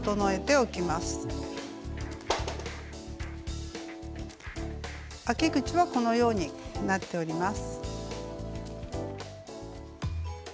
あき口はこのようになっております。